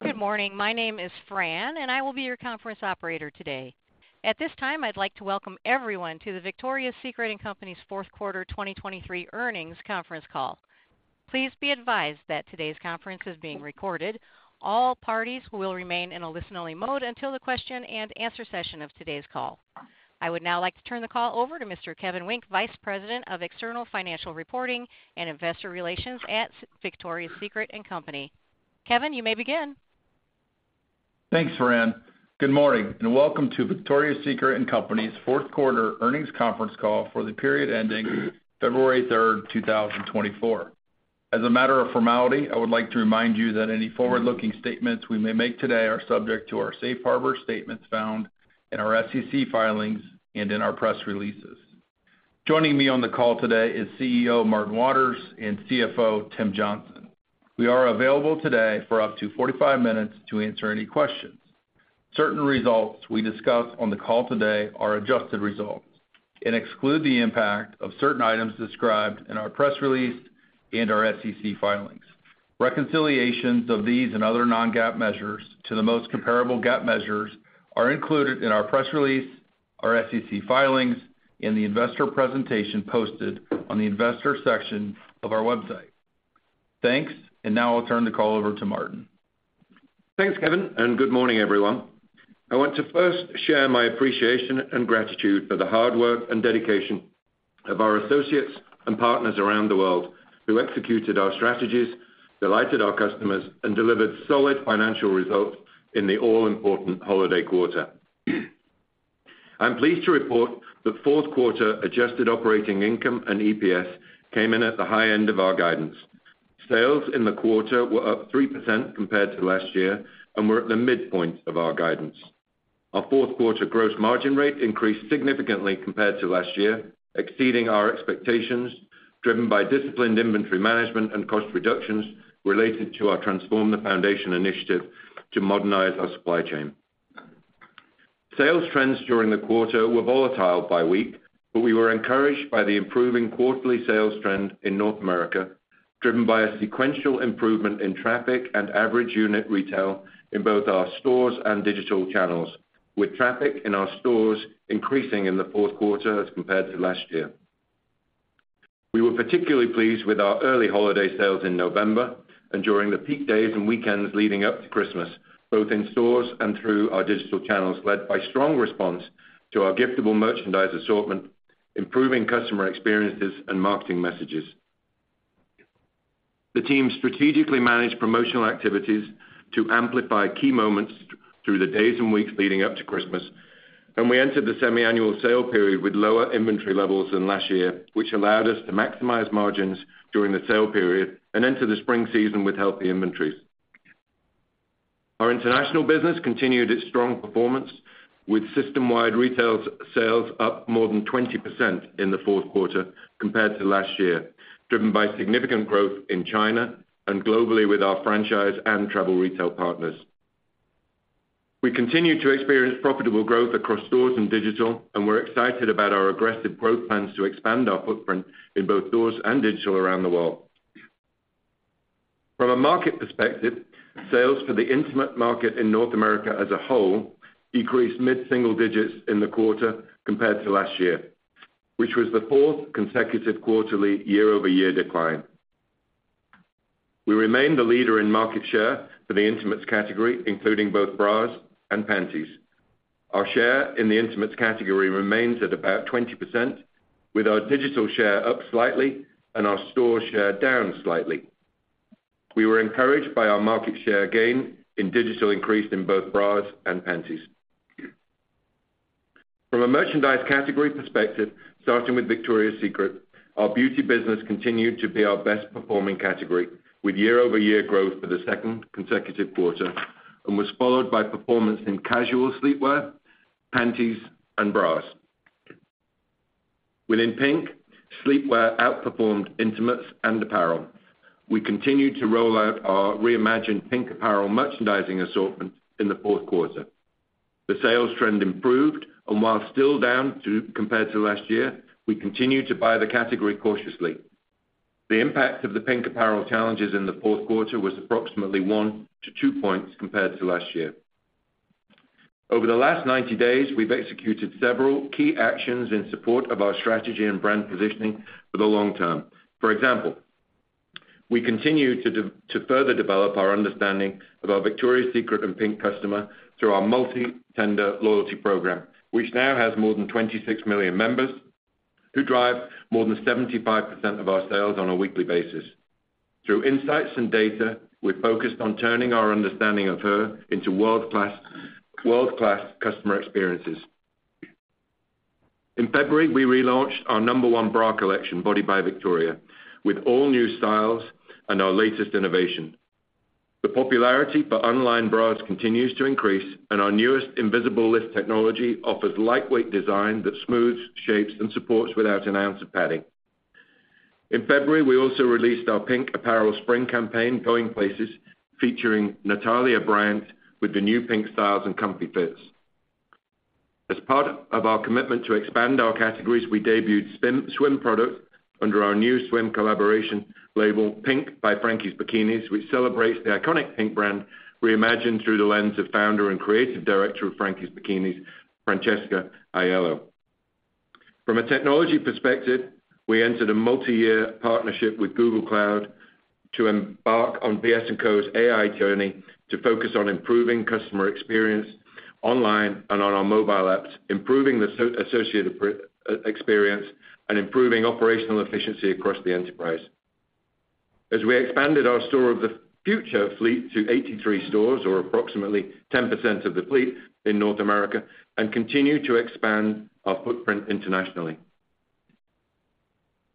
Good morning. My name is Fran, and I will be your conference operator today. At this time, I'd like to welcome everyone to the Victoria's Secret & Co.'s fourth quarter 2023 earnings conference call. Please be advised that today's conference is being recorded. All parties will remain in a listen-only mode until the question-and-answer session of today's call. I would now like to turn the call over to Mr. Kevin Wenk, Vice President of External Financial Reporting and Investor Relations at Victoria's Secret & Co. Kevin, you may begin. Thanks, Fran. Good morning, and welcome to Victoria's Secret & Co.'s fourth quarter earnings conference call for the period ending February 3rd, 2024. As a matter of formality, I would like to remind you that any forward-looking statements we may make today are subject to our safe harbor statements found in our SEC filings and in our press releases. Joining me on the call today is CEO Martin Waters and CFO Tim Johnson. We are available today for up to 45 minutes to answer any questions. Certain results we discuss on the call today are adjusted results and exclude the impact of certain items described in our press release and our SEC filings. Reconciliations of these and other non-GAAP measures to the most comparable GAAP measures are included in our press release, our SEC filings, and the investor presentation posted on the investor section of our website. Thanks, and now I'll turn the call over to Martin. Thanks, Kevin, and good morning, everyone. I want to first share my appreciation and gratitude for the hard work and dedication of our associates and partners around the world who executed our strategies, delighted our customers, and delivered solid financial results in the all-important holiday quarter. I'm pleased to report that fourth quarter adjusted operating income and EPS came in at the high end of our guidance. Sales in the quarter were up 3% compared to last year and were at the midpoint of our guidance. Our fourth quarter gross margin rate increased significantly compared to last year, exceeding our expectations, driven by disciplined inventory management and cost reductions related to our Transform the Foundation initiative to modernize our supply chain. Sales trends during the quarter were volatile by week, but we were encouraged by the improving quarterly sales trend in North America, driven by a sequential improvement in traffic and average unit retail in both our stores and digital channels, with traffic in our stores increasing in the fourth quarter as compared to last year. We were particularly pleased with our early holiday sales in November and during the peak days and weekends leading up to Christmas, both in stores and through our digital channels, led by strong response to our giftable merchandise assortment, improving customer experiences, and marketing messages. The team strategically managed promotional activities to amplify key moments through the days and weeks leading up to Christmas, and we entered the Semi-Annual Sale period with lower inventory levels than last year, which allowed us to maximize margins during the sale period and enter the spring season with healthy inventories. Our international business continued its strong performance, with system-wide retail sales up more than 20% in the fourth quarter compared to last year, driven by significant growth in China and globally with our franchise and travel retail partners. We continue to experience profitable growth across stores and digital, and we're excited about our aggressive growth plans to expand our footprint in both stores and digital around the world. From a market perspective, sales for the intimates market in North America as a whole decreased mid-single digits in the quarter compared to last year, which was the fourth consecutive quarterly year-over-year decline. We remain the leader in market share for the intimates category, including both bras and panties. Our share in the intimates category remains at about 20%, with our digital share up slightly and our store share down slightly. We were encouraged by our market share gain in digital increased in both bras and panties. From a merchandise category perspective, starting with Victoria's Secret, our beauty business continued to be our best-performing category, with year-over-year growth for the second consecutive quarter and was followed by performance in casual sleepwear, panties, and bras. Within PINK, sleepwear outperformed intimates and apparel. We continued to roll out our reimagined PINK apparel merchandising assortment in the fourth quarter. The sales trend improved, and while still down compared to last year, we continue to buy the category cautiously. The impact of the PINK apparel challenges in the fourth quarter was approximately one to two points compared to last year. Over the last 90 days, we've executed several key actions in support of our strategy and brand positioning for the long term. For example, we continue to further develop our understanding of our Victoria's Secret and PINK customer through our multi-tender loyalty program, which now has more than 26 million members who drive more than 75% of our sales on a weekly basis. Through insights and data, we've focused on turning our understanding of her into world-class customer experiences. In February, we relaunched our number one bra collection, Body by Victoria, with all new styles and our latest innovation. The popularity for unlined bras continues to increase, and our newest Invisible Lift technology offers lightweight design that smooths shapes and supports without an ounce of padding. In February, we also released our PINK apparel spring campaign, Going Places, featuring Natalia Bryant with the new PINK styles and comfy fits. As part of our commitment to expand our categories, we debuted swim products under our new swim collaboration label, PINK by Frankies Bikinis, which celebrates the iconic PINK brand reimagined through the lens of founder and creative director of Frankies Bikinis, Francesca Aiello. From a technology perspective, we entered a multi-year partnership with Google Cloud to embark on VS&Co's AI journey to focus on improving customer experience online and on our mobile apps, improving the associated experience, and improving operational efficiency across the enterprise. As we expanded our Store of the Future fleet to 83 stores, or approximately 10% of the fleet in North America, and continue to expand our footprint internationally.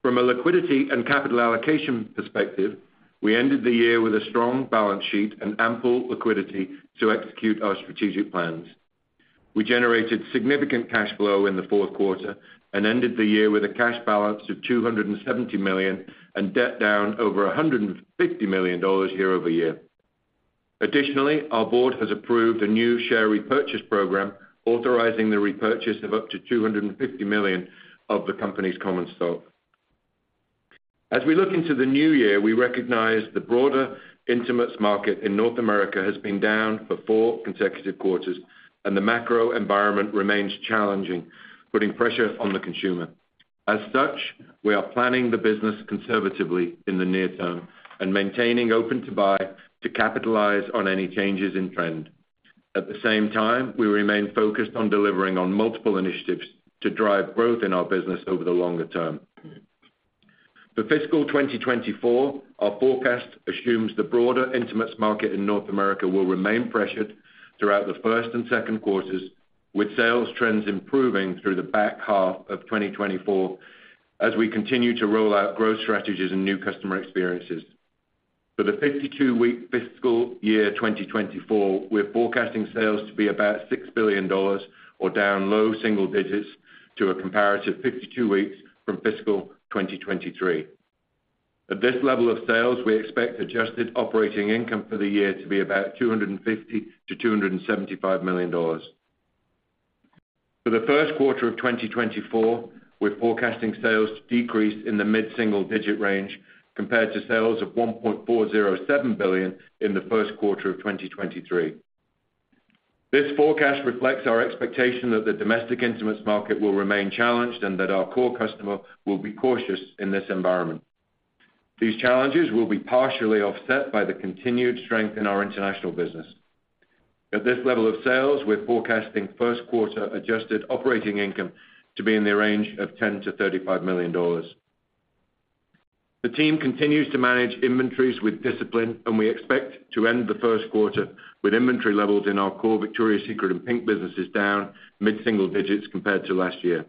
From a liquidity and capital allocation perspective, we ended the year with a strong balance sheet and ample liquidity to execute our strategic plans. We generated significant cash flow in the fourth quarter and ended the year with a cash balance of $270 million and debt down over $150 million year-over-year. Additionally, our board has approved a new share repurchase program authorizing the repurchase of up to $250 million of the company's common stock. As we look into the new year, we recognize the broader intimates market in North America has been down for four consecutive quarters, and the macro environment remains challenging, putting pressure on the consumer. As such, we are planning the business conservatively in the near term and maintaining open to buy to capitalize on any changes in trend. At the same time, we remain focused on delivering on multiple initiatives to drive growth in our business over the longer term. For fiscal 2024, our forecast assumes the broader intimates market in North America will remain pressured throughout the first and second quarters, with sales trends improving through the back half of 2024 as we continue to roll out growth strategies and new customer experiences. For the 52-week fiscal year 2024, we're forecasting sales to be about $6 billion or down low single digits to a comparative 52 weeks from fiscal 2023. At this level of sales, we expect adjusted operating income for the year to be about $250 million-$275 million. For the first quarter of 2024, we're forecasting sales to decrease in the mid-single digit range compared to sales of $1.407 billion in the first quarter of 2023. This forecast reflects our expectation that the domestic intimates market will remain challenged and that our core customer will be cautious in this environment. These challenges will be partially offset by the continued strength in our international business. At this level of sales, we're forecasting first quarter adjusted operating income to be in the range of $10 million-$35 million. The team continues to manage inventories with discipline, and we expect to end the first quarter with inventory levels in our core Victoria's Secret and PINK businesses down mid-single digits compared to last year.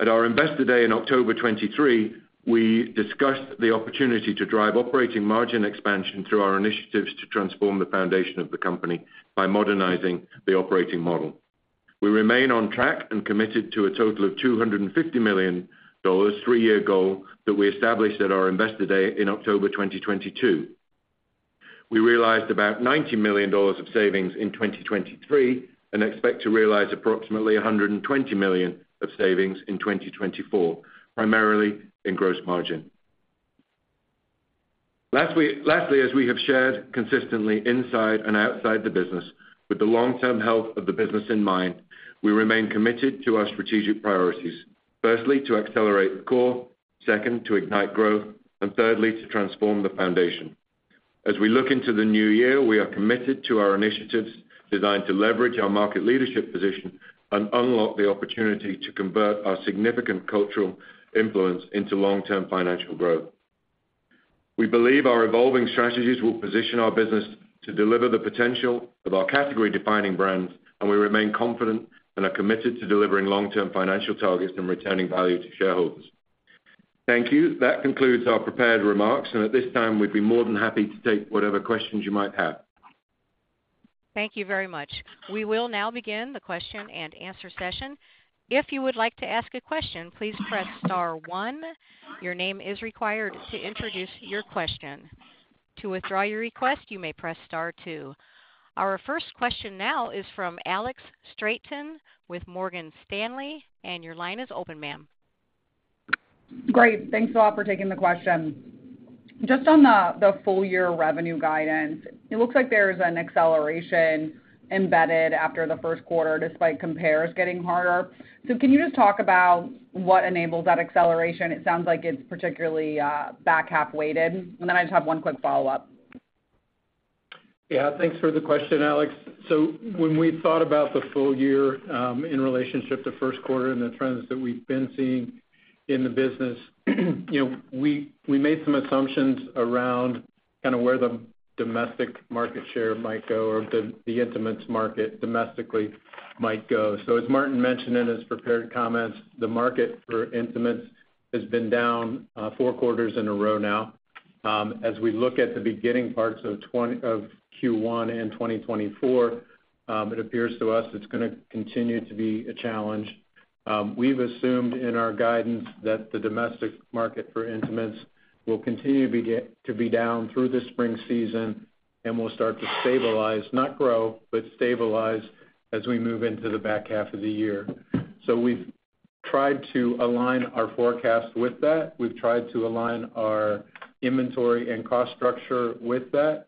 At our investor day in October 2023, we discussed the opportunity to drive operating margin expansion through our initiatives to transform the foundation of the company by modernizing the operating model. We remain on track and committed to a total of $250 million, three-year goal that we established at our investor day in October 2022. We realized about $90 million of savings in 2023 and expect to realize approximately $120 million of savings in 2024, primarily in gross margin. Lastly, as we have shared consistently inside and outside the business, with the long-term health of the business in mind, we remain committed to our strategic priorities. Firstly, to accelerate the core. Second, to ignite growth. And thirdly, to transform the foundation. As we look into the new year, we are committed to our initiatives designed to leverage our market leadership position and unlock the opportunity to convert our significant cultural influence into long-term financial growth. We believe our evolving strategies will position our business to deliver the potential of our category-defining brands, and we remain confident and are committed to delivering long-term financial targets and returning value to shareholders. Thank you. That concludes our prepared remarks. At this time, we'd be more than happy to take whatever questions you might have. Thank you very much. We will now begin the question and answer session. If you would like to ask a question, please press star one. Your name is required to introduce your question. To withdraw your request, you may press star two. Our first question now is from Alex Straton with Morgan Stanley, and your line is open, ma'am. Great. Thanks a lot for taking the question. Just on the full-year revenue guidance, it looks like there's an acceleration embedded after the first quarter despite compares getting harder. So can you just talk about what enables that acceleration? It sounds like it's particularly back half weighted. And then I just have one quick follow-up. Yeah. Thanks for the question, Alex. So when we thought about the full year in relationship to first quarter and the trends that we've been seeing in the business, we made some assumptions around kind of where the domestic market share might go or the intimates market domestically might go. So as Martin mentioned in his prepared comments, the market for intimates has been down four quarters in a row now. As we look at the beginning parts of Q1 and 2024, it appears to us it's going to continue to be a challenge. We've assumed in our guidance that the domestic market for intimates will continue to be down through the spring season and will start to stabilize not grow, but stabilize as we move into the back half of the year. So we've tried to align our forecast with that. We've tried to align our inventory and cost structure with that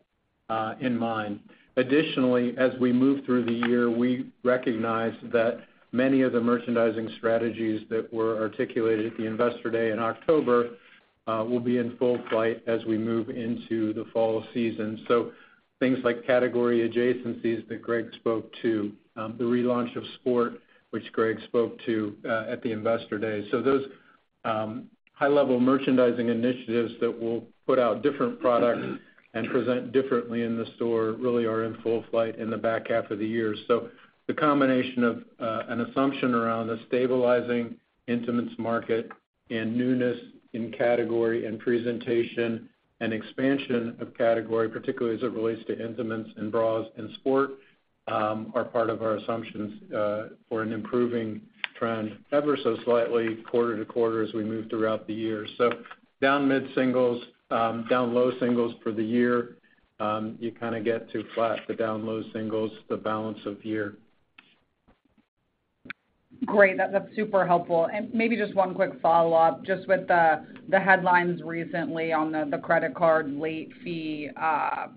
in mind. Additionally, as we move through the year, we recognize that many of the merchandising strategies that were articulated at the investor day in October will be in full flight as we move into the fall season. So things like category adjacencies that Greg spoke to, the relaunch of sport, which Greg spoke to at the investor day. So those high-level merchandising initiatives that will put out different products and present differently in the store really are in full flight in the back half of the year. So the combination of an assumption around a stabilising intimates market and newness in category and presentation and expansion of category, particularly as it relates to intimates and bras and sport, are part of our assumptions for an improving trend ever so slightly quarter to quarter as we move throughout the year. So down mid-singles, down low singles for the year, you kind of get to flat the down low singles, the balance of year. Great. That's super helpful. Maybe just one quick follow-up. Just with the headlines recently on the credit card late fee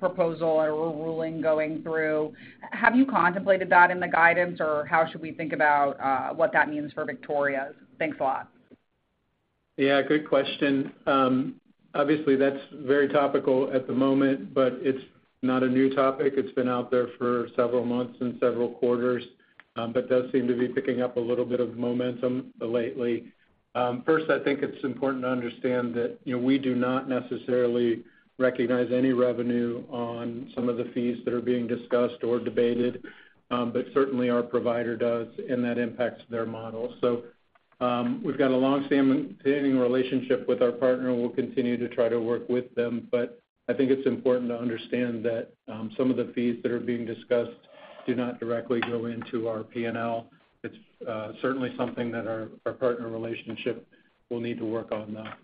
proposal and a ruling going through, have you contemplated that in the guidance, or how should we think about what that means for Victoria's? Thanks a lot. Yeah. Good question. Obviously, that's very topical at the moment, but it's not a new topic. It's been out there for several months and several quarters, but does seem to be picking up a little bit of momentum lately. First, I think it's important to understand that we do not necessarily recognize any revenue on some of the fees that are being discussed or debated, but certainly our provider does, and that impacts their model. So we've got a long-standing relationship with our partner. We'll continue to try to work with them. But I think it's important to understand that some of the fees that are being discussed do not directly go into our P&L. It's certainly something that our partner relationship will need to work on now.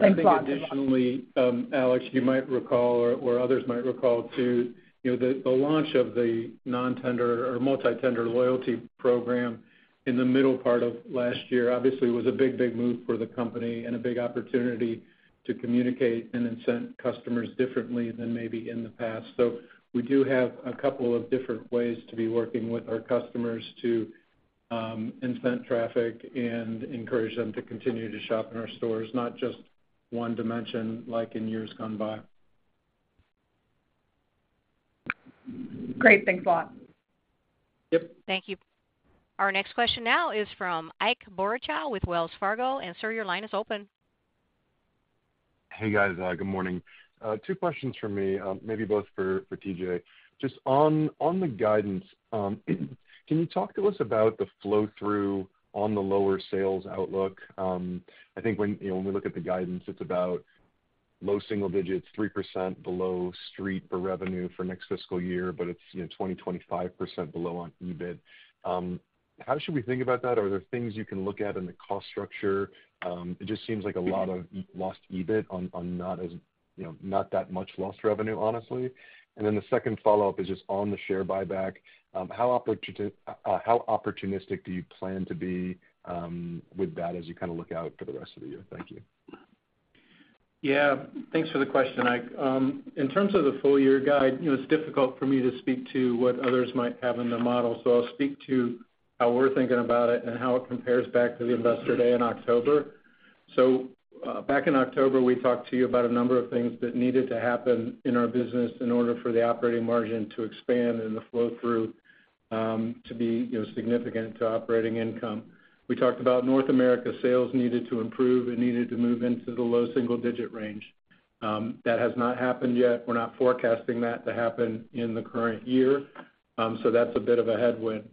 Thanks a lot, Tim Johnson. I think additionally, Alex, you might recall or others might recall too, the launch of the non-tender or multi-tender loyalty program in the middle part of last year obviously was a big, big move for the company and a big opportunity to communicate and incent customers differently than maybe in the past. So we do have a couple of different ways to be working with our customers to incent traffic and encourage them to continue to shop in our stores, not just one dimension like in years gone by. Great. Thanks a lot. Yep. Thank you. Our next question now is from Ike Boruchow with Wells Fargo. Sir, your line is open. Hey, guys. Good morning. Two questions for me, maybe both for TJ. Just on the guidance, can you talk to us about the flow-through on the lower sales outlook? I think when we look at the guidance, it's about low single digits, 3% below street per revenue for next fiscal year, but it's 20%-25% below on EBIT. How should we think about that? Are there things you can look at in the cost structure? It just seems like a lot of lost EBIT on not that much lost revenue, honestly. And then the second follow-up is just on the share buyback. How opportunistic do you plan to be with that as you kind of look out for the rest of the year? Thank you. Yeah. Thanks for the question, Ike. In terms of the full-year guide, it's difficult for me to speak to what others might have in their model. So I'll speak to how we're thinking about it and how it compares back to the investor day in October. So back in October, we talked to you about a number of things that needed to happen in our business in order for the operating margin to expand and the flow-through to be significant to operating income. We talked about North America sales needed to improve and needed to move into the low single digit range. That has not happened yet. We're not forecasting that to happen in the current year. So that's a bit of a headwind.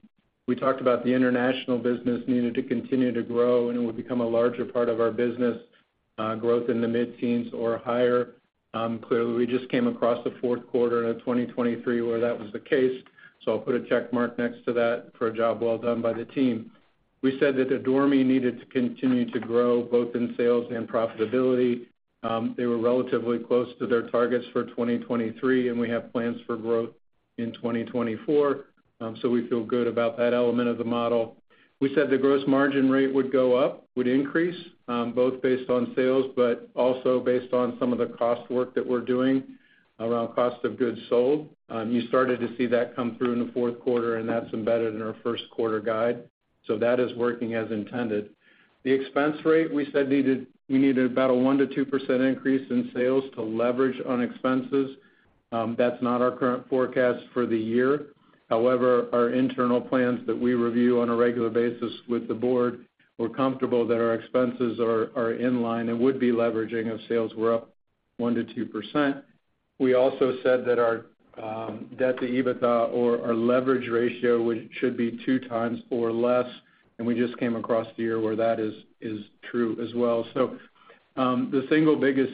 We talked about the international business needed to continue to grow, and it would become a larger part of our business growth in the mid-teens or higher. Clearly, we just came across the fourth quarter of 2023 where that was the case. So I'll put a checkmark next to that for a job well done by the team. We said that the Adore Me needed to continue to grow both in sales and profitability. They were relatively close to their targets for 2023, and we have plans for growth in 2024. So we feel good about that element of the model. We said the gross margin rate would go up, would increase both based on sales but also based on some of the cost work that we're doing around cost of goods sold. You started to see that come through in the fourth quarter, and that's embedded in our first quarter guide. So that is working as intended. The expense rate, we said we needed about a 1%-2% increase in sales to leverage on expenses. That's not our current forecast for the year. However, our internal plans that we review on a regular basis with the board, we're comfortable that our expenses are in line and would be leveraging if sales were up 1%-2%. We also said that our debt to EBITDA or our leverage ratio should be 2x or less. We just came across the year where that is true as well. So the single biggest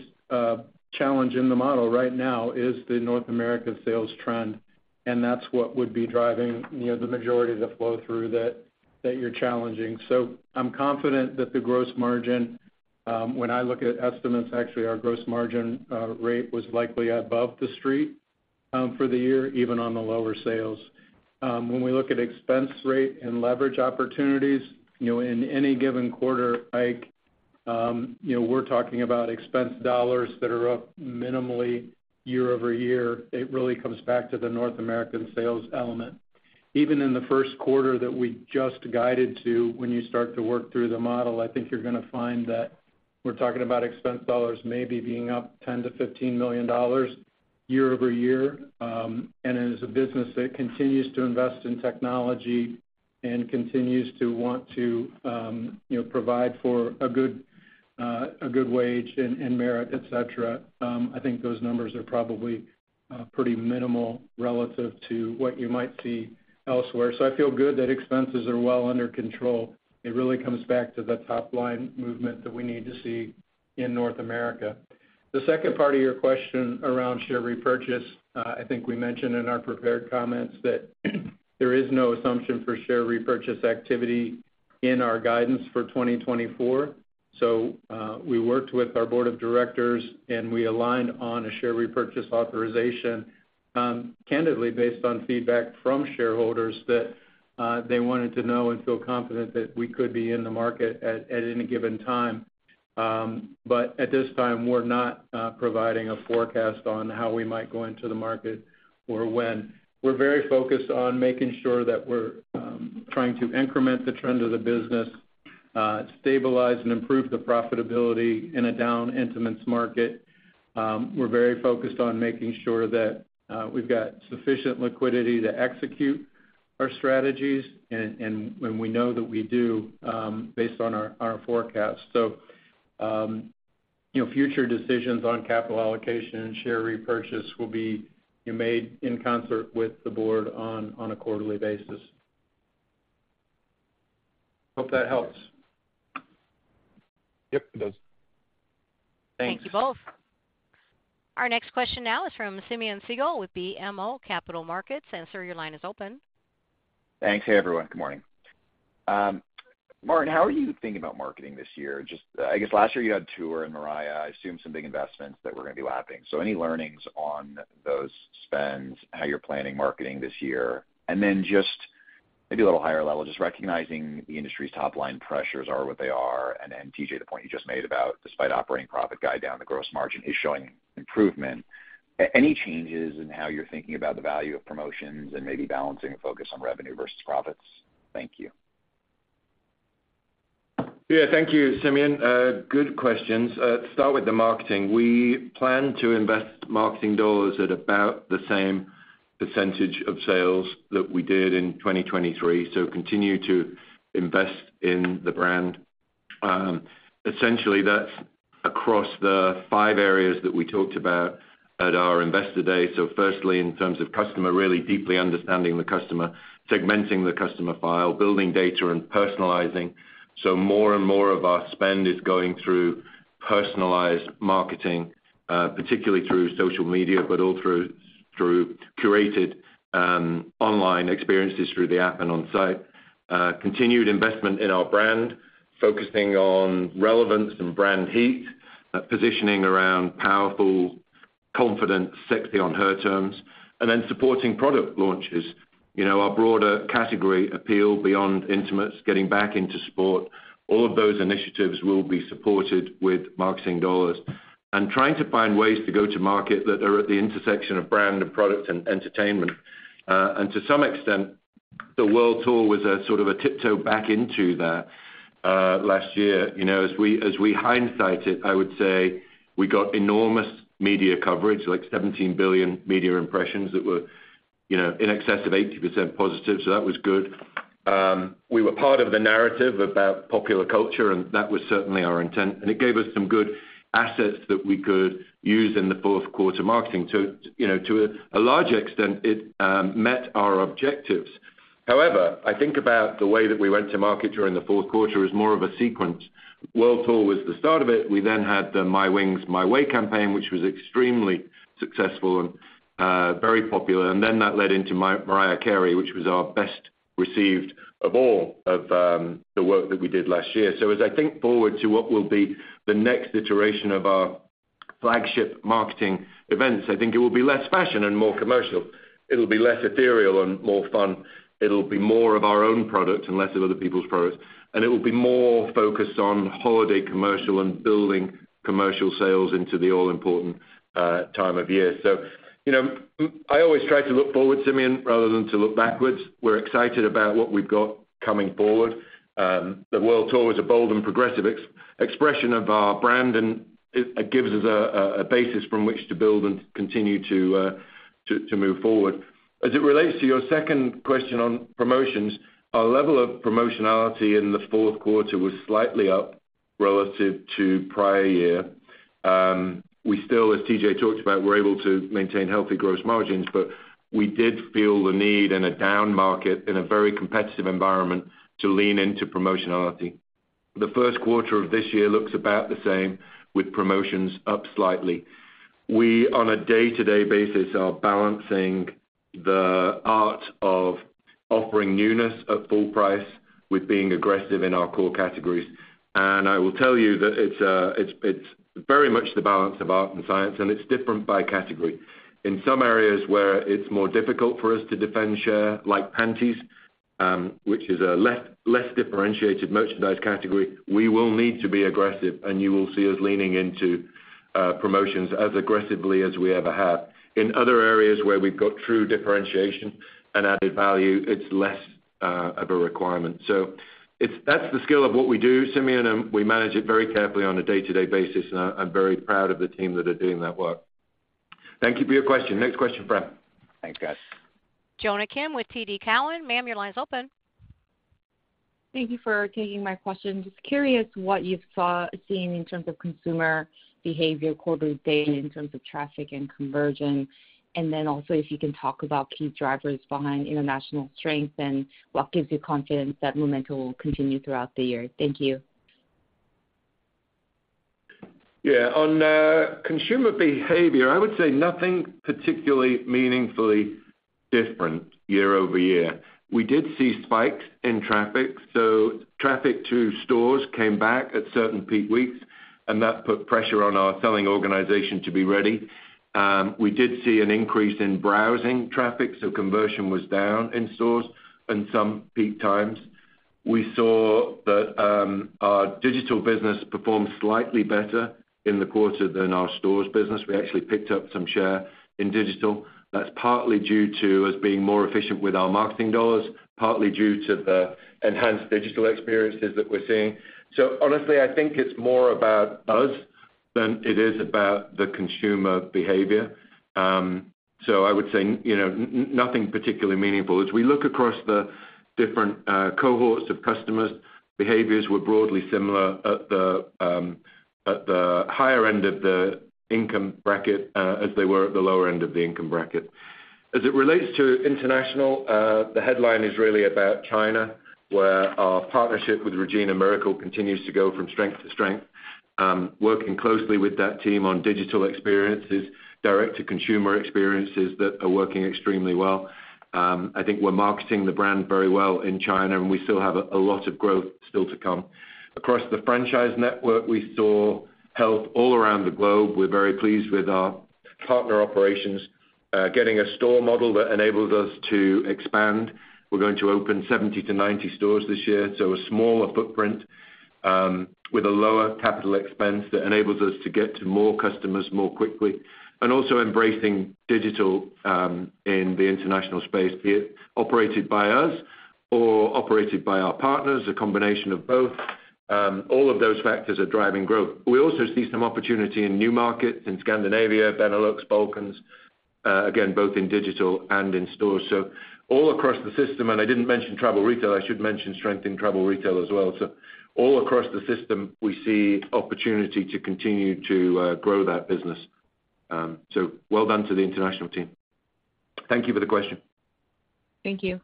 challenge in the model right now is the North America sales trend. That's what would be driving the majority of the flow-through that you're challenging. So I'm confident that the gross margin when I look at estimates, actually, our gross margin rate was likely above the street for the year, even on the lower sales. When we look at expense rate and leverage opportunities in any given quarter, Ike, we're talking about expense dollars that are up minimally year-over-year. It really comes back to the North American sales element. Even in the first quarter that we just guided to, when you start to work through the model, I think you're going to find that we're talking about expense dollars maybe being up $10 million-$15 million year-over-year. And as a business that continues to invest in technology and continues to want to provide for a good wage and merit, etc., I think those numbers are probably pretty minimal relative to what you might see elsewhere. So I feel good that expenses are well under control. It really comes back to the top-line movement that we need to see in North America. The second part of your question around share repurchase, I think we mentioned in our prepared comments that there is no assumption for share repurchase activity in our guidance for 2024. So we worked with our board of directors, and we aligned on a share repurchase authorization, candidly based on feedback from shareholders that they wanted to know and feel confident that we could be in the market at any given time. But at this time, we're not providing a forecast on how we might go into the market or when. We're very focused on making sure that we're trying to increment the trend of the business, stabilize and improve the profitability in a down intimates market. We're very focused on making sure that we've got sufficient liquidity to execute our strategies, and we know that we do based on our forecast. So future decisions on capital allocation and share repurchase will be made in concert with the board on a quarterly basis. Hope that helps. Yep, it does. Thanks. Thank you both. Our next question now is from Simeon Siegel with BMO Capital Markets. Sir, your line is open. Thanks. Hey, everyone. Good morning. Martin, how are you thinking about marketing this year? I guess last year you had tour and Mariah. I assume some big investments that were going to be lapping. So any learnings on those spends, how you're planning marketing this year? And then just maybe a little higher level, just recognizing the industry's top-line pressures are what they are. And then TJ, the point you just made about despite operating profit guide down, the gross margin is showing improvement. Any changes in how you're thinking about the value of promotions and maybe balancing focus on revenue versus profits? Thank you. Yeah. Thank you, Simeon. Good questions. Start with the marketing. We plan to invest marketing dollars at about the same percentage of sales that we did in 2023, so continue to invest in the brand. Essentially, that's across the five areas that we talked about at our investor day. So firstly, in terms of customer, really deeply understanding the customer, segmenting the customer file, building data, and personalizing. So more and more of our spend is going through personalized marketing, particularly through social media, but also through curated online experiences through the app and on-site. Continued investment in our brand, focusing on relevance and brand heat, positioning around powerful, confident, sexy on her terms, and then supporting product launches. Our broader category appeal beyond intimates, getting back into sport, all of those initiatives will be supported with marketing dollars. Trying to find ways to go to market that are at the intersection of brand and product and entertainment. To some extent, the World Tour was sort of a tiptoe back into that last year. As we hindsight it, I would say we got enormous media coverage, like 17 billion media impressions that were in excess of 80% positive. So that was good. We were part of the narrative about popular culture, and that was certainly our intent. And it gave us some good assets that we could use in the fourth quarter marketing. So to a large extent, it met our objectives. However, I think about the way that we went to market during the fourth quarter as more of a sequence. World Tour was the start of it. We then had the My Wings, My Way campaign, which was extremely successful and very popular. And then that led into Mariah Carey, which was our best received of all of the work that we did last year. So as I think forward to what will be the next iteration of our flagship marketing events, I think it will be less fashion and more commercial. It'll be less ethereal and more fun. It'll be more of our own product and less of other people's products. And it will be more focused on holiday commercial and building commercial sales into the all-important time of year. So I always try to look forward, Simeon, rather than to look backwards. We're excited about what we've got coming forward. The World Tour was a bold and progressive expression of our brand, and it gives us a basis from which to build and continue to move forward. As it relates to your second question on promotions, our level of promotionality in the fourth quarter was slightly up relative to prior year. We still, as TJ talked about, were able to maintain healthy gross margins, but we did feel the need in a down market in a very competitive environment to lean into promotionality. The first quarter of this year looks about the same with promotions up slightly. We, on a day-to-day basis, are balancing the art of offering newness at full price with being aggressive in our core categories. I will tell you that it's very much the balance of art and science, and it's different by category. In some areas where it's more difficult for us to defend share, like panties, which is a less differentiated merchandise category, we will need to be aggressive, and you will see us leaning into promotions as aggressively as we ever have. In other areas where we've got true differentiation and added value, it's less of a requirement. So that's the skill of what we do, Simeon. And we manage it very carefully on a day-to-day basis. And I'm very proud of the team that are doing that work. Thank you for your question. Next question, Fran. Thanks, guys. Jonna Kim with TD Cowen. Ma'am, your line's open. Thank you for taking my question. Just curious what you've seen in terms of consumer behavior quarter to date in terms of traffic and conversion. And then also, if you can talk about key drivers behind international strength and what gives you confidence that momentum will continue throughout the year. Thank you. Yeah. On consumer behavior, I would say nothing particularly meaningfully different year-over-year. We did see spikes in traffic. So traffic to stores came back at certain peak weeks, and that put pressure on our selling organization to be ready. We did see an increase in browsing traffic. So conversion was down in stores in some peak times. We saw that our digital business performed slightly better in the quarter than our stores business. We actually picked up some share in digital. That's partly due to us being more efficient with our marketing dollars, partly due to the enhanced digital experiences that we're seeing. So honestly, I think it's more about us than it is about the consumer behavior. So I would say nothing particularly meaningful. As we look across the different cohorts of customers, behaviors were broadly similar at the higher end of the income bracket as they were at the lower end of the income bracket. As it relates to international, the headline is really about China, where our partnership with Regina Miracle continues to go from strength to strength, working closely with that team on digital experiences, direct-to-consumer experiences that are working extremely well. I think we're marketing the brand very well in China, and we still have a lot of growth still to come. Across the franchise network, we saw health all around the globe. We're very pleased with our partner operations getting a store model that enables us to expand. We're going to open 70-90 stores this year. So a smaller footprint with a lower capital expense that enables us to get to more customers more quickly. And also embracing digital in the international space, be it operated by us or operated by our partners, a combination of both. All of those factors are driving growth. We also see some opportunity in new markets in Scandinavia, Benelux, Balkans, again, both in digital and in stores. So all across the system and I didn't mention travel retail. I should mention strengthening travel retail as well. So all across the system, we see opportunity to continue to grow that business. So well done to the international team. Thank you for the question. Thank you.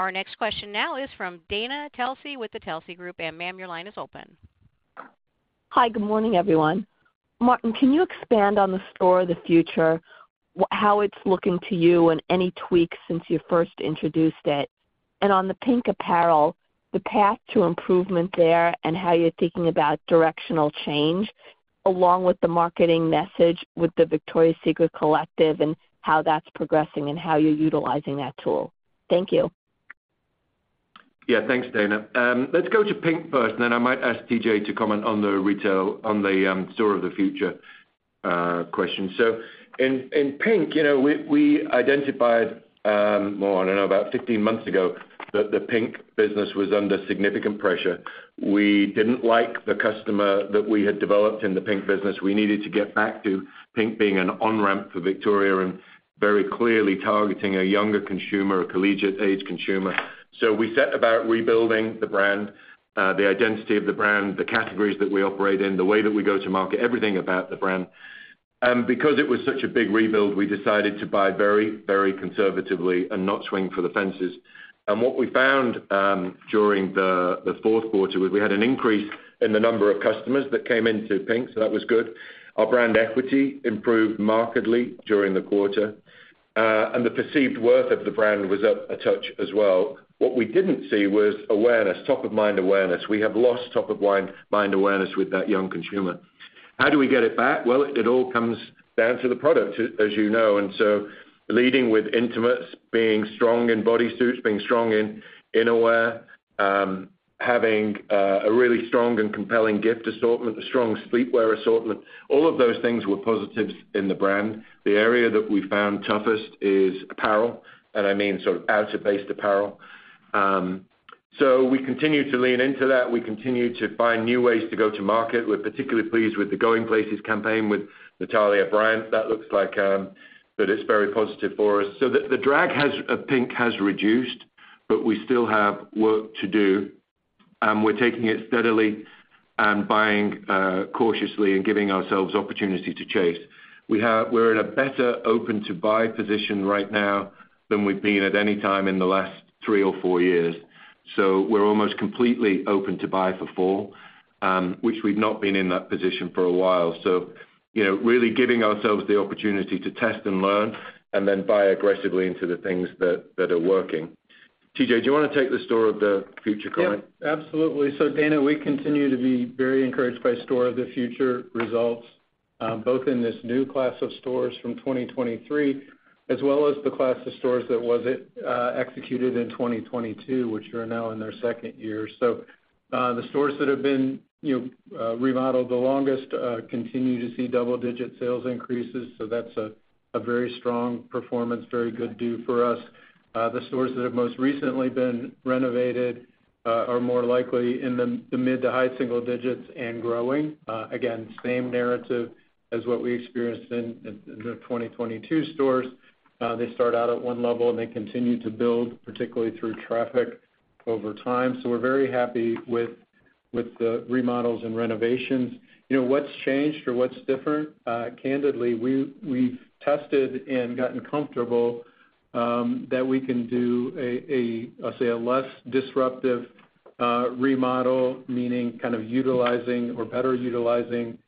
Our next question now is from Dana Telsey with Telsey Advisory Group. Ma'am, your line is open. Hi. Good morning, everyone. Martin, can you expand on the Store of the Future, how it's looking to you and any tweaks since you first introduced it? And on the Pink apparel, the path to improvement there and how you're thinking about directional change along with the marketing message with the Victoria's Secret Collective and how that's progressing and how you're utilizing that tool. Thank you. Yeah. Thanks, Dana. Let's go to PINK first, and then I might ask TJ to comment on the Store of the Future question. So in PINK, we identified more I don't know, about 15 months ago that the PINK business was under significant pressure. We didn't like the customer that we had developed in the PINK business. We needed to get back to PINK being an on-ramp for Victoria and very clearly targeting a younger consumer, a collegiate-age consumer. So we set about rebuilding the brand, the identity of the brand, the categories that we operate in, the way that we go to market, everything about the brand. And because it was such a big rebuild, we decided to buy very, very conservatively and not swing for the fences. And what we found during the fourth quarter was we had an increase in the number of customers that came into PINK. So that was good. Our brand equity improved markedly during the quarter. And the perceived worth of the brand was up a touch as well. What we didn't see was awareness, top-of-mind awareness. We have lost top-of-mind awareness with that young consumer. How do we get it back? Well, it all comes down to the product, as you know. And so leading with intimates, being strong in bodysuits, being strong in innerwear, having a really strong and compelling gift assortment, a strong sleepwear assortment, all of those things were positives in the brand. The area that we found toughest is apparel. And I mean sort of outer-based apparel. So we continue to lean into that. We continue to find new ways to go to market. We're particularly pleased with the Going Places campaign with Natalia Bryant. That looks like it's very positive for us. So the drag on PINK has reduced, but we still have work to do. And we're taking it steadily and buying cautiously and giving ourselves opportunity to chase. We're in a better open-to-buy position right now than we've been at any time in the last three or four years. So we're almost completely open to buy for fall, which we've not been in that position for a while. So really giving ourselves the opportunity to test and learn and then buy aggressively into the things that are working. TJ, do you want to take the Store of the Future comment? Yeah. Absolutely. So Dana, we continue to be very encouraged by Store of the Future results, both in this new class of stores from 2023 as well as the class of stores that was executed in 2022, which are now in their second year. So the stores that have been remodeled the longest continue to see double-digit sales increases. So that's a very strong performance, very good do for us. The stores that have most recently been renovated are more likely in the mid to high single digits and growing. Again, same narrative as what we experienced in the 2022 stores. They start out at one level, and they continue to build, particularly through traffic over time. So we're very happy with the remodels and renovations. What's changed or what's different? Candidly, we've tested and gotten comfortable that we can do, I'll say, a less disruptive remodel, meaning kind of utilizing or better utilizing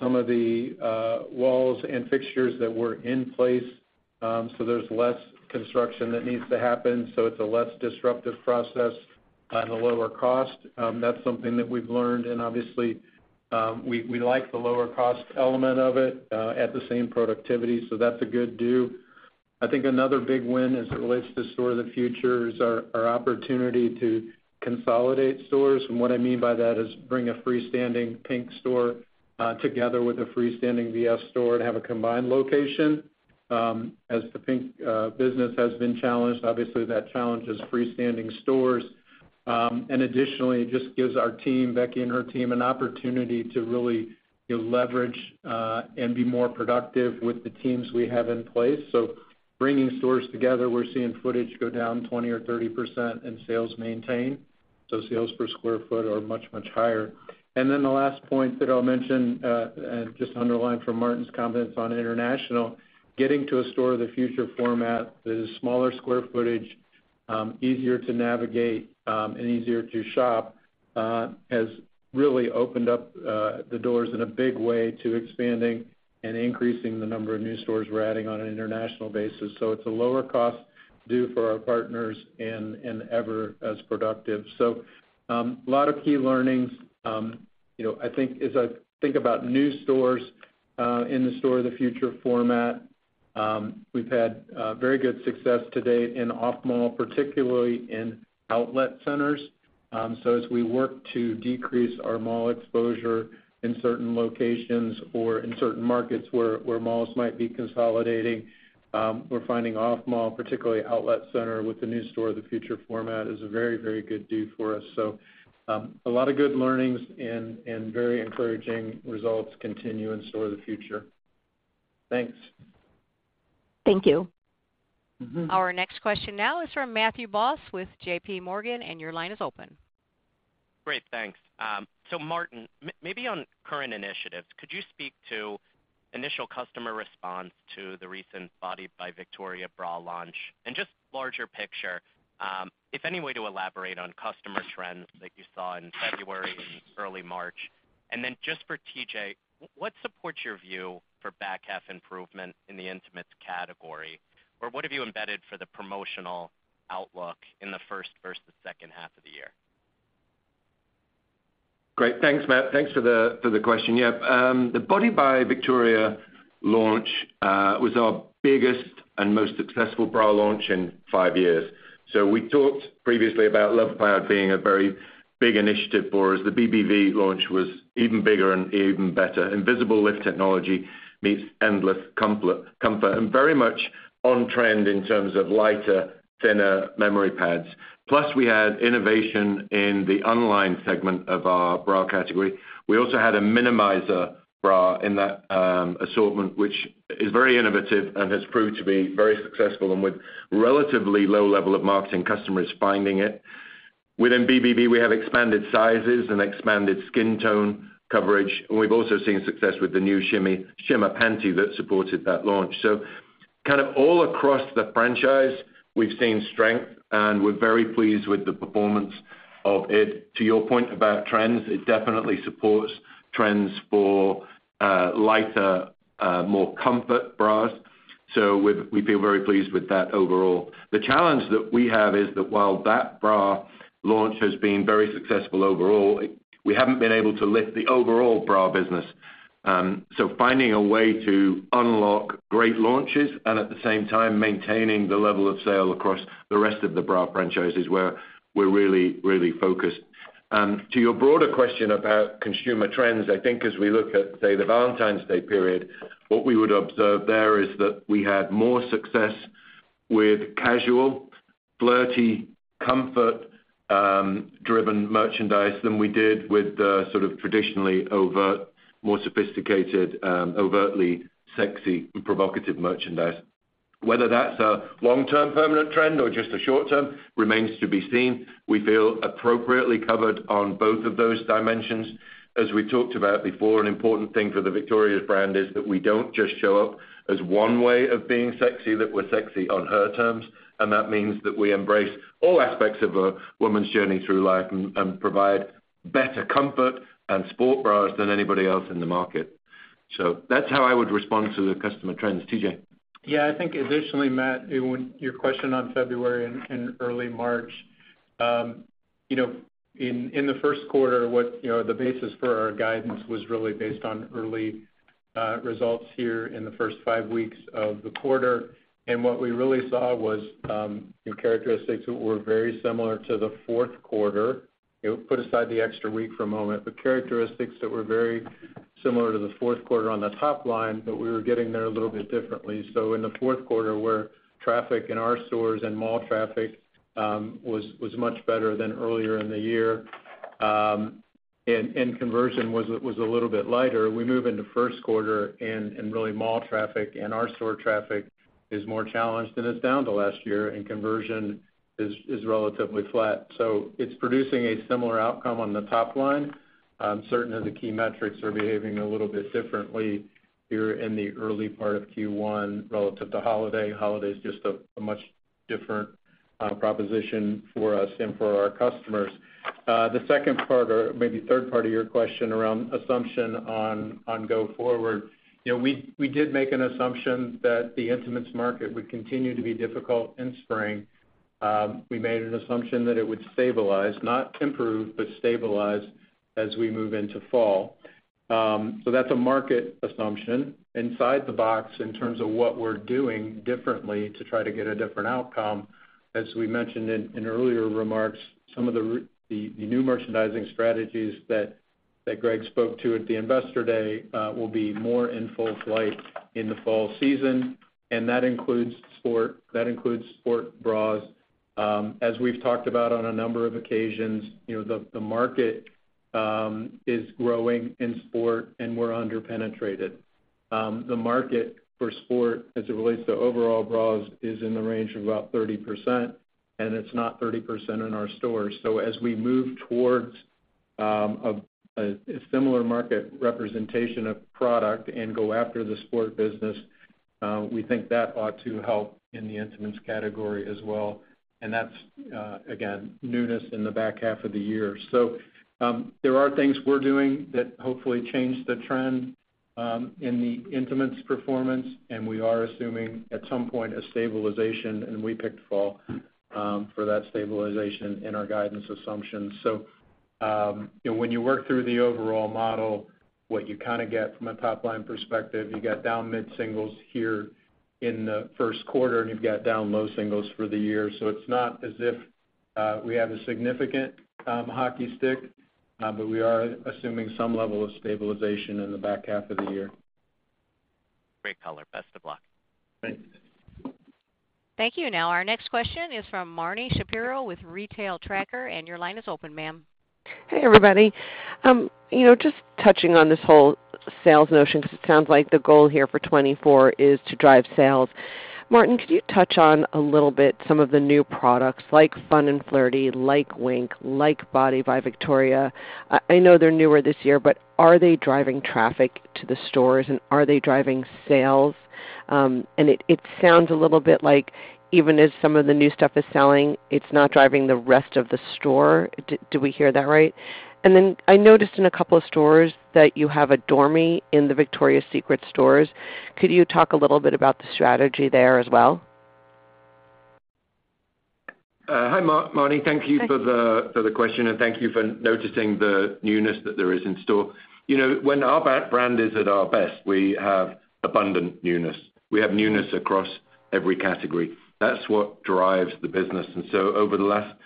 some of the walls and fixtures that were in place. So there's less construction that needs to happen. So it's a less disruptive process and a lower cost. That's something that we've learned. And obviously, we like the lower cost element of it at the same productivity. So that's a good do. I think another big win as it relates to Store of the Future is our opportunity to consolidate stores. And what I mean by that is bring a freestanding PINK store together with a freestanding VS store to have a combined location. As the PINK business has been challenged, obviously, that challenges freestanding stores. Additionally, it just gives our team, Becky, and her team, an opportunity to really leverage and be more productive with the teams we have in place. So bringing stores together, we're seeing footage go down 20% or 30% and sales maintain. So sales per square foot are much, much higher. And then the last point that I'll mention and just underline from Martin's comments on international, getting to a Store of the Future format that is smaller square footage, easier to navigate, and easier to shop has really opened up the doors in a big way to expanding and increasing the number of new stores we're adding on an international basis. So it's a lower cost to do for our partners and every bit as productive. So a lot of key learnings, I think, as I think about new stores in the Store of the Future format, we've had very good success to date in off-mall, particularly in outlet centers. So as we work to decrease our mall exposure in certain locations or in certain markets where malls might be consolidating, we're finding off-mall, particularly outlet center, with the new Store of the Future format is a very, very good fit for us. So a lot of good learnings and very encouraging results continue in Store of the Future. Thanks. Thank you. Our next question now is from Matthew Boss with J.P. Morgan. Your line is open. Great. Thanks. So Martin, maybe on current initiatives, could you speak to initial customer response to the recent Body by Victoria bra launch? And just larger picture, if any way to elaborate on customer trends that you saw in February and early March. And then just for TJ, what supports your view for back half improvement in the intimates category? Or what have you embedded for the promotional outlook in the first versus second half of the year? Great. Thanks, Matt. Thanks for the question. Yeah. The Body by Victoria launch was our biggest and most successful bra launch in five years. So we talked previously about Love Cloud being a very big initiative for us. The BBV launch was even bigger and even better. Invisible Lift technology meets endless comfort and very much on-trend in terms of lighter, thinner memory pads. Plus, we had innovation in the unlined segment of our bra category. We also had a minimizer bra in that assortment, which is very innovative and has proved to be very successful and with relatively low level of marketing, customers finding it. Within BBV, we have expanded sizes and expanded skin tone coverage. And we've also seen success with the new shimmer panty that supported that launch. So kind of all across the franchise, we've seen strength, and we're very pleased with the performance of it. To your point about trends, it definitely supports trends for lighter, more comfort bras. So we feel very pleased with that overall. The challenge that we have is that while that bra launch has been very successful overall, we haven't been able to lift the overall bra business. So finding a way to unlock great launches and at the same time maintaining the level of sale across the rest of the bra franchise is where we're really, really focused. To your broader question about consumer trends, I think as we look at, say, the Valentine's Day period, what we would observe there is that we had more success with casual, flirty, comfort-driven merchandise than we did with the sort of traditionally overt, more sophisticated, overtly sexy, and provocative merchandise. Whether that's a long-term permanent trend or just a short-term remains to be seen. We feel appropriately covered on both of those dimensions. As we've talked about before, an important thing for the Victoria's brand is that we don't just show up as one way of being sexy, that we're sexy on her terms. And that means that we embrace all aspects of a woman's journey through life and provide better comfort and sport bras than anybody else in the market. So that's how I would respond to the customer trends. TJ? Yeah. I think additionally, Matt, your question on February and early March, in the first quarter, the basis for our guidance was really based on early results here in the first five weeks of the quarter. What we really saw was characteristics that were very similar to the fourth quarter. Put aside the extra week for a moment, but characteristics that were very similar to the fourth quarter on the top line, but we were getting there a little bit differently. In the fourth quarter, where traffic in our stores and mall traffic was much better than earlier in the year and conversion was a little bit lighter, we move into first quarter, and really, mall traffic and our store traffic is more challenged than it's down to last year. Conversion is relatively flat. It's producing a similar outcome on the top line. Certain of the key metrics are behaving a little bit differently here in the early part of Q1 relative to holiday. Holiday is just a much different proposition for us and for our customers. The second part or maybe third part of your question around assumption on go forward, we did make an assumption that the intimates market would continue to be difficult in spring. We made an assumption that it would stabilize, not improve, but stabilize as we move into fall. So that's a market assumption inside the box in terms of what we're doing differently to try to get a different outcome. As we mentioned in earlier remarks, some of the new merchandising strategies that Greg spoke to at the Investor Day will be more in full flight in the fall season. And that includes sports bras. As we've talked about on a number of occasions, the market is growing in sport, and we're underpenetrated. The market for sport as it relates to overall bras is in the range of about 30%. And it's not 30% in our stores. So as we move towards a similar market representation of product and go after the sport business, we think that ought to help in the intimates category as well. And that's, again, newness in the back half of the year. So there are things we're doing that hopefully change the trend in the intimates performance. And we are assuming at some point a stabilization. And we picked fall for that stabilization in our guidance assumptions. So when you work through the overall model, what you kind of get from a top-line perspective, you got down mid-singles here in the first quarter, and you've got down low singles for the year. So it's not as if we have a significant hockey stick, but we are assuming some level of stabilization in the back half of the year. Great color. Best of luck. Thanks. Thank you. Now, our next question is from Marni Shapiro with Retail Tracker. Your line is open, ma'am. Hey, everybody. Just touching on this whole sales notion because it sounds like the goal here for 2024 is to drive sales. Martin, could you touch on a little bit some of the new products like Fun and Flirty, like Wink, like Body by Victoria? I know they're newer this year, but are they driving traffic to the stores? And are they driving sales? And it sounds a little bit like even as some of the new stuff is selling, it's not driving the rest of the store. Do we hear that right? And then I noticed in a couple of stores that you have an Adore Me in the Victoria's Secret stores. Could you talk a little bit about the strategy there as well? Hi, Marni. Thank you for the question. Thank you for noticing the newness that there is in store. When our brand is at our best, we have abundant newness. We have newness across every category. That's what drives the business. Over the last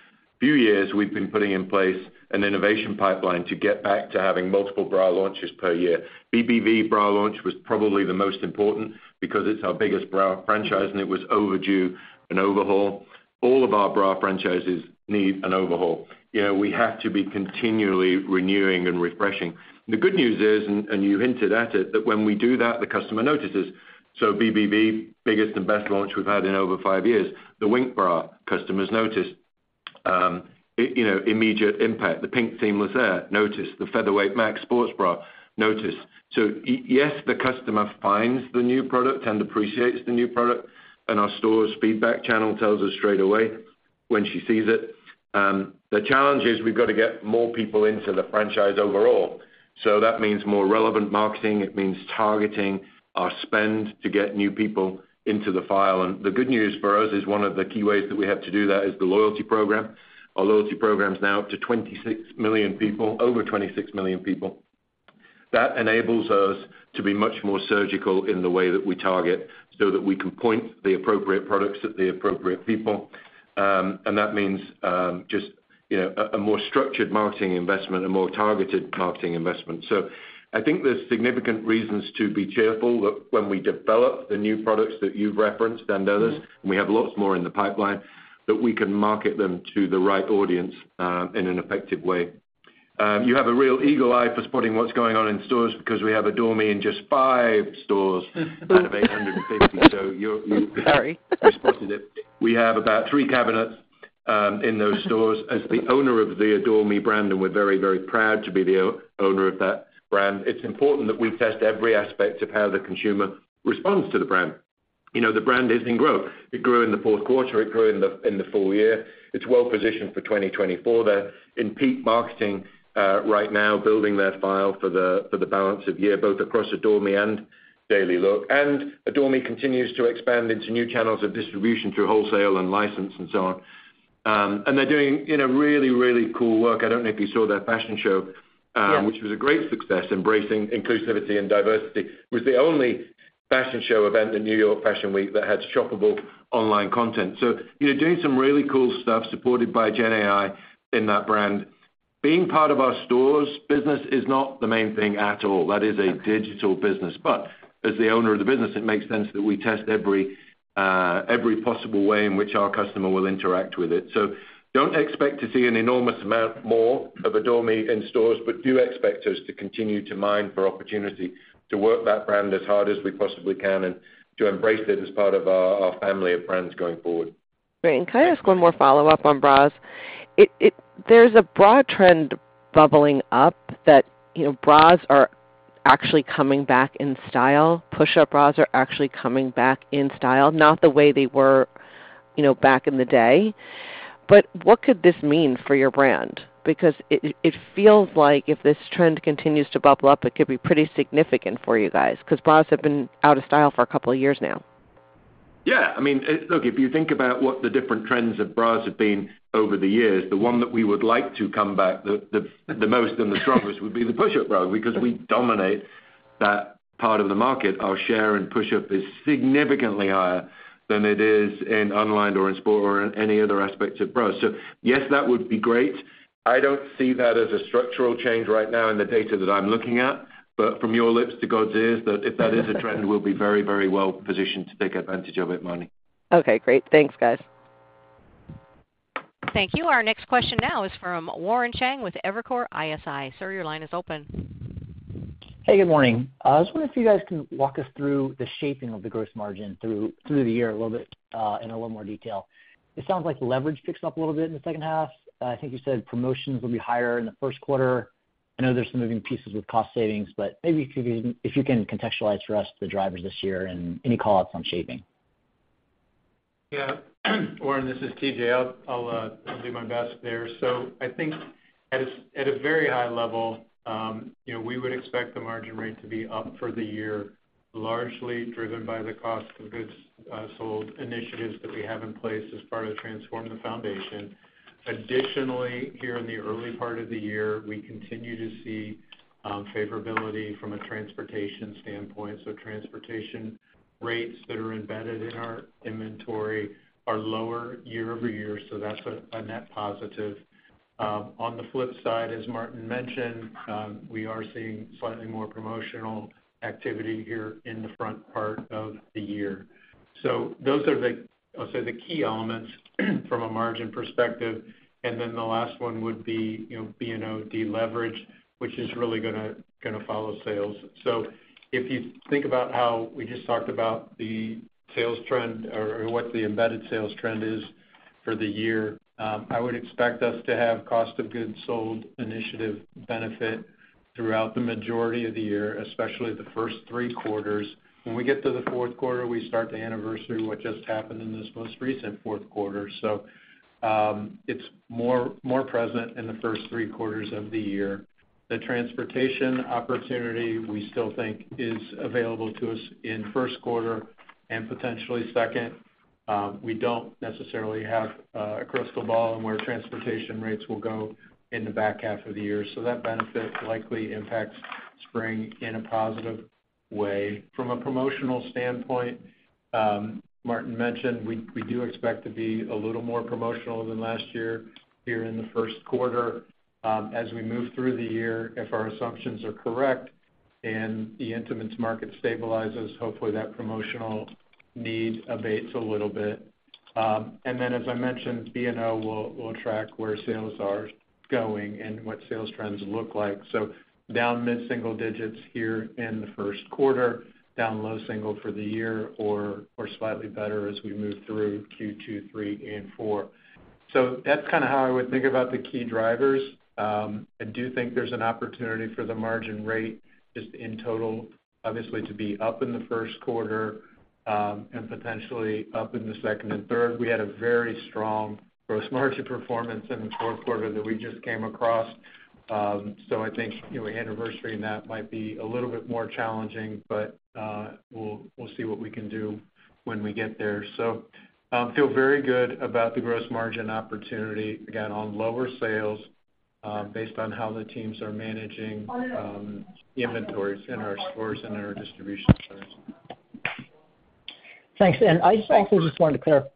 few years, we've been putting in place an innovation pipeline to get back to having multiple bra launches per year. BBV bra launch was probably the most important because it's our biggest bra franchise, and it was overdue an overhaul. All of our bra franchises need an overhaul. We have to be continually renewing and refreshing. The good news is, and you hinted at it, that when we do that, the customer notices. BBV, biggest and best launch we've had in over five years. The Wink bra customers notice immediate impact. The PINK Seamless Air notices. The Featherweight Max sports bra notices. So yes, the customer finds the new product and appreciates the new product. Our store's feedback channel tells us straight away when she sees it. The challenge is we've got to get more people into the franchise overall. That means more relevant marketing. It means targeting our spend to get new people into the file. The good news for us is one of the key ways that we have to do that is the loyalty program. Our loyalty program is now up to 26 million people, over 26 million people. That enables us to be much more surgical in the way that we target so that we can point the appropriate products at the appropriate people. That means just a more structured marketing investment, a more targeted marketing investment. So I think there's significant reasons to be cheerful that when we develop the new products that you've referenced and others, and we have lots more in the pipeline, that we can market them to the right audience in an effective way. You have a real eagle eye for spotting what's going on in stores because we have Adore Me in just five stores out of 850. So you. Sorry. We spotted it. We have about three cabinets in those stores. As the owner of the Adore Me brand, and we're very, very proud to be the owner of that brand, it's important that we test every aspect of how the consumer responds to the brand. The brand is in growth. It grew in the fourth quarter. It grew in the full year. It's well positioned for 2024. They're in peak marketing right now, building their file for the balance of year, both across Adore Me and Daily Look. And Adore Me continues to expand into new channels of distribution through wholesale and license and so on. And they're doing really, really cool work. I don't know if you saw their fashion show, which was a great success. Embracing inclusivity and diversity was the only fashion show event at New York Fashion Week that had shoppable online content. So doing some really cool stuff supported by GenAI in that brand. Being part of our stores business is not the main thing at all. That is a digital business. But as the owner of the business, it makes sense that we test every possible way in which our customer will interact with it. So don't expect to see an enormous amount more of Adore Me in stores, but do expect us to continue to mine for opportunity to work that brand as hard as we possibly can and to embrace it as part of our family of brands going forward. Great. Can I ask one more follow-up on bras? There's a bra trend bubbling up that bras are actually coming back in style. Push-up bras are actually coming back in style, not the way they were back in the day. But what could this mean for your brand? Because it feels like if this trend continues to bubble up, it could be pretty significant for you guys because bras have been out of style for a couple of years now. Yeah. I mean, look, if you think about what the different trends of bras have been over the years, the one that we would like to come back the most and the strongest would be the push-up bra because we dominate that part of the market. Our share in push-up is significantly higher than it is in unlined or in sport or in any other aspects of bras. So yes, that would be great. I don't see that as a structural change right now in the data that I'm looking at. But from your lips to God's ears, that if that is a trend, we'll be very, very well positioned to take advantage of it, Marni. Okay. Great. Thanks, guys. Thank you. Our next question now is from Warren Cheng with Evercore ISI. Sir, your line is open. Hey. Good morning. I was wondering if you guys can walk us through the shaping of the gross margin through the year a little bit in a little more detail. It sounds like leverage picks up a little bit in the second half. I think you said promotions will be higher in the first quarter. I know there's some moving pieces with cost savings, but maybe if you can contextualize for us the drivers this year and any callouts on shaping. Yeah. Warren, this is TJ. I'll do my best there. So I think at a very high level, we would expect the margin rate to be up for the year, largely driven by the cost of goods sold initiatives that we have in place as part of Transform the Foundation. Additionally, here in the early part of the year, we continue to see favorability from a transportation standpoint. So transportation rates that are embedded in our inventory are lower year-over-year. So that's a net positive. On the flip side, as Martin mentioned, we are seeing slightly more promotional activity here in the front part of the year. So those are the, I'll say, the key elements from a margin perspective. And then the last one would be B&O deleverage, which is really going to follow sales. So if you think about how we just talked about the sales trend or what the embedded sales trend is for the year, I would expect us to have cost of goods sold initiative benefit throughout the majority of the year, especially the first three quarters. When we get to the fourth quarter, we start to anniversary what just happened in this most recent fourth quarter. So it's more present in the first three quarters of the year. The transportation opportunity, we still think, is available to us in first quarter and potentially second. We don't necessarily have a crystal ball on where transportation rates will go in the back half of the year. So that benefit likely impacts spring in a positive way. From a promotional standpoint, Martin mentioned, we do expect to be a little more promotional than last year here in the first quarter as we move through the year if our assumptions are correct and the intimates market stabilizes. Hopefully, that promotional need abates a little bit. And then, as I mentioned, B&O will track where sales are going and what sales trends look like. So down mid-single digits here in the first quarter, down low single for the year, or slightly better as we move through Q2, Q3, and Q4. So that's kind of how I would think about the key drivers. I do think there's an opportunity for the margin rate just in total, obviously, to be up in the first quarter and potentially up in the second and third. We had a very strong gross margin performance in the fourth quarter that we just came across. So I think anniversarying that might be a little bit more challenging, but we'll see what we can do when we get there. So I feel very good about the gross margin opportunity, again, on lower sales based on how the teams are managing inventories in our stores and in our distribution centers. Thanks. I also just wanted to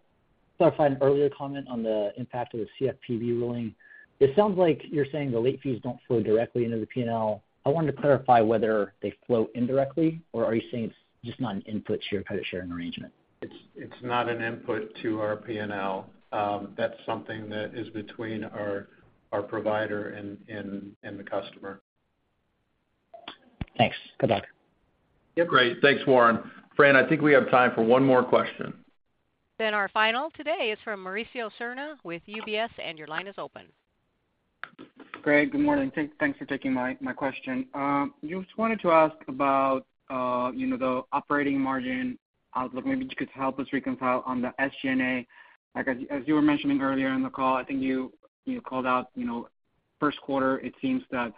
clarify an earlier comment on the impact of the CFPB ruling. It sounds like you're saying the late fees don't flow directly into the P&L. I wanted to clarify whether they flow indirectly, or are you saying it's just not an input to your credit sharing arrangement? It's not an input to our P&L. That's something that is between our provider and the customer. Thanks. Good luck. Yeah. Great. Thanks, Warren. Fran, I think we have time for one more question. Then our final today is from Mauricio Serna with UBS, and your line is open. Great. Good morning. Thanks for taking my question. Just wanted to ask about the operating margin outlook. Maybe you could help us reconcile on the SG&A. As you were mentioning earlier in the call, I think you called out first quarter. It seems that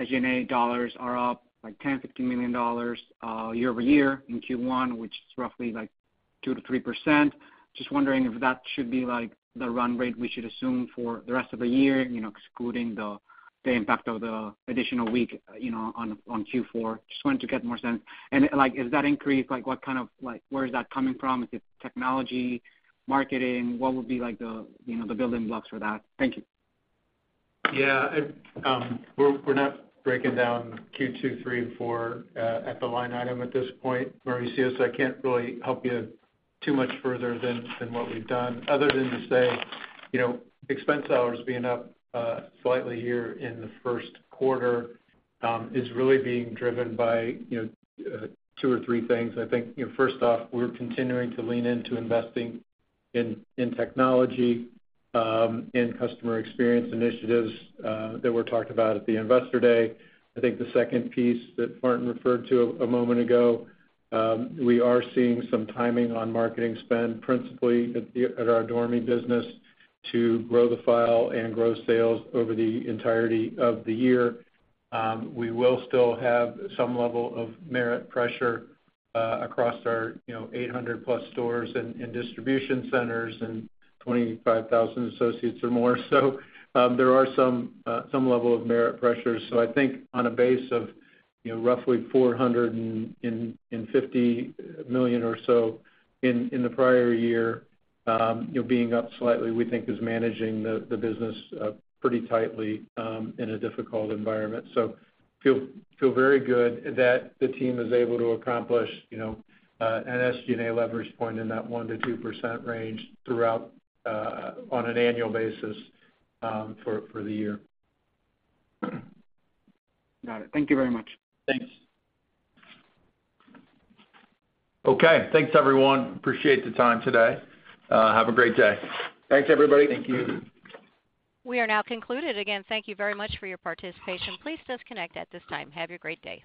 SG&A dollars are up like $10 million-$15 million year-over-year in Q1, which is roughly like 2%-3%. Just wondering if that should be the run rate we should assume for the rest of the year, excluding the impact of the additional week on Q4. Just wanted to get more sense. And is that increase? What kind of where is that coming from? Is it technology, marketing? What would be the building blocks for that? Thank you. Yeah. We're not breaking down Q2, Q3, and Q4 at the line item at this point, Mauricio. So I can't really help you too much further than what we've done, other than to say expense dollars being up slightly here in the first quarter is really being driven by two or three things. I think, first off, we're continuing to lean into investing in technology, in customer experience initiatives that were talked about at the Investor Day. I think the second piece that Martin referred to a moment ago, we are seeing some timing on marketing spend principally at our Adore Me business to grow the file and grow sales over the entirety of the year. We will still have some level of merit pressure across our 800+ stores and distribution centers and 25,000 associates or more. So there are some level of merit pressures. So I think on a base of roughly $450 million or so in the prior year, being up slightly, we think is managing the business pretty tightly in a difficult environment. So feel very good that the team is able to accomplish an SG&A leverage point in that 1%-2% range on an annual basis for the year. Got it. Thank you very much. Thanks. Okay. Thanks, everyone. Appreciate the time today. Have a great day. Thanks, everybody. Thank you. We are now concluded. Again, thank you very much for your participation. Please disconnect at this time. Have a great day.